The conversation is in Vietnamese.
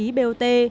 trạm thu phí bot